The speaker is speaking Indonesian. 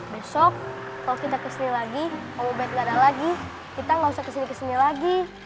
besok kalau kita kesini lagi om obat gak ada lagi kita gak usah kesini kesini lagi